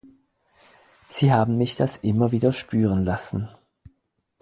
Sie haben mich das immer wieder spüren lassen.